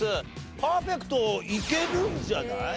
パーフェクトいけるんじゃない？